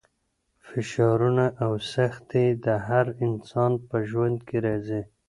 فشارونه او سختۍ د هر انسان په ژوند کې راځي.